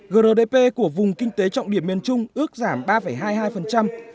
grdp của vùng kinh tế trọng điểm miền trung ước giảm ba hai mươi hai